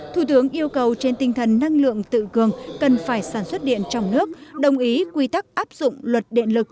thủ tướng yêu cầu trên tinh thần năng lượng tự cường cần phải sản xuất điện trong nước đồng ý quy tắc áp dụng luật điện lực